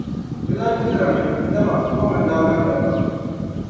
bɛ lan gbihirimi, dama gom n-daa mali ba pam.